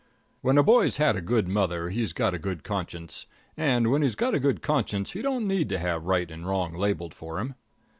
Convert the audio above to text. When a boy's had a good mother he's got a good conscience, and when he's got a good conscience he don't need to have right and wrong labeled for him.